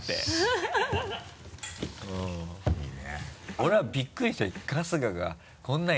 俺はびっくりしたよ